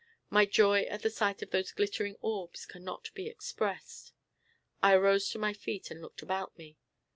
My joy at the sight of those glittering orbs cannot be expressed. I arose to my feet, and looked about me.